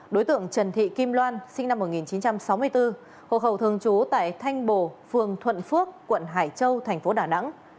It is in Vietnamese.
đối tượng trần thị kim loan sinh năm một nghìn chín trăm sáu mươi bốn hộ khẩu thường trú tại thanh bồ phường thuận phước quận hải châu thành phố đà nẵng